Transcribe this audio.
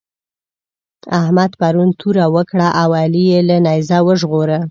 احمد پرون توره وکړه او علي يې له نېزه وژغوره.